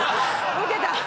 ウケた。